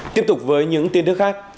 tiếp tục với những tin tức khác